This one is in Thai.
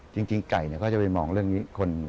จริงไก่เขาจะไปมองเรื่องนี้